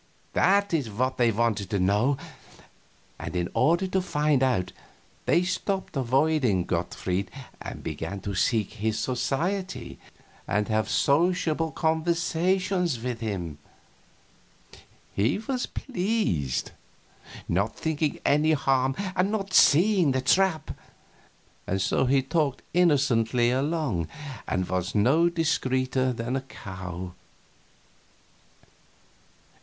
That is what they wanted to know; and in order to find out they stopped avoiding Gottfried and began to seek his society and have sociable conversations with him. He was pleased not thinking any harm and not seeing the trap and so he talked innocently along, and was no discreeter than a cow.